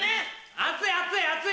熱い熱い！